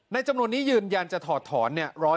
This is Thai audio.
จำนวนนี้ยืนยันจะถอดถอน